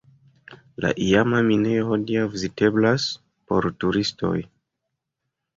La iama minejo hodiaŭ viziteblas por turistoj.